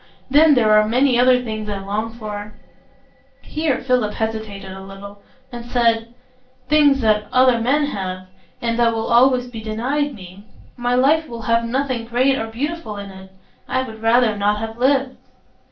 Then there are many other things I long for,"—here Philip hesitated a little, and then said,—"things that other men have, and that will always be denied me. My life will have nothing great or beautiful in it; I would rather not have lived."